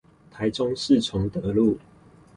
台中市崇德路